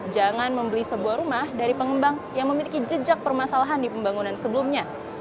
jangan membeli sebuah rumah dari pengembang yang memiliki jejak permasalahan di pembangunan sebelumnya